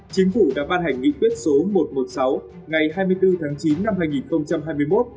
chính phủ đã ban hành nghị quyết số một trăm một mươi sáu ngày hai mươi bốn tháng chín năm hai nghìn hai mươi một